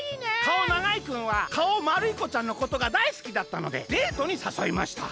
「かおながいくんはかおまるいこちゃんのことがだいすきだったのでデートにさそいました。